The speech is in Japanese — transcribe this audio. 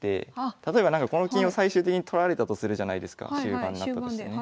例えばこの金を最終的に取られたとするじゃないですか終盤になったとしてね。